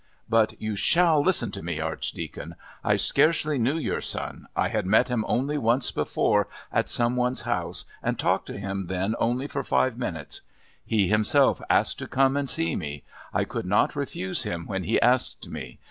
"But you shall listen to me, Archdeacon. I scarcely knew your son. I had met him only once before, at some one's house, and talked to him then only for five minutes. He himself asked to come and see me. I could not refuse him when he asked me.